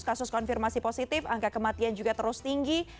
kasus konfirmasi positif angka kematian juga terus tinggi